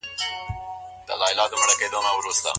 د نجلۍ د باندني ژوند په اړه معلومات څنګه تر لاسه کړو؟